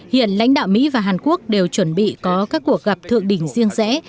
hiện lãnh đạo mỹ và hàn quốc đều chuẩn bị có các cuộc gặp thượng đỉnh riêng rẽ